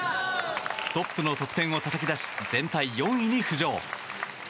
トップの得点をたたき出し全体４位に浮上。